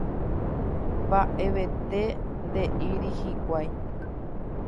Mba'evete nde'íri hikuái.